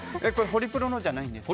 ホリプロのじゃないよ。